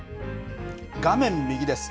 画面右です。